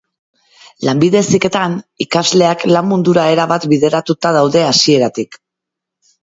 Lanbide heziketan, ikasleak lan mundura erabat bideratuta daude hasieratik